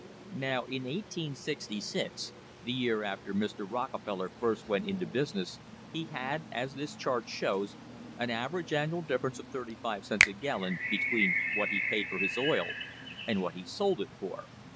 Now in 1866, the year after Mr. Rockefeller first went into business, he had, as this chart shows, an average annual difference of 35 cents a gal lon between what he paid for his oil and what he sold it for.